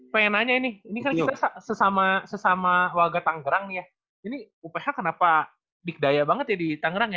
pengen nanya nih ini kan kita sesama sesama warga tangerang ya ini uph kenapa bigdaya banget ya di tangerang ya